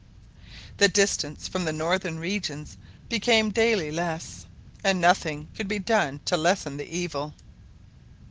The distance from the northern regions became daily less, and nothing could be done to lessen the evil.